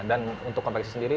dan untuk konveksi sendiri